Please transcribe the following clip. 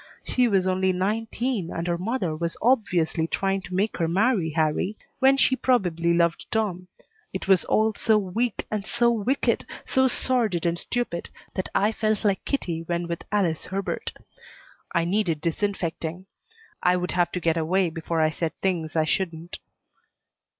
She was only nineteen, and her mother was obviously trying to make her marry Harrie when she probably loved Tom. It was all so weak and so wicked, so sordid and stupid, that I felt like Kitty when with Alice Herbert. I needed disinfecting. I would have to get away before I said things I shouldn't.